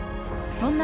そんな